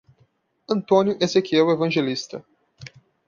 Antônio Ezequiel Evangelista